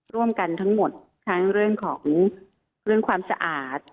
ร่วมกันทั้งหมดทั้งเรื่องของเรื่องความสะอาด